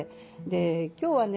今日はね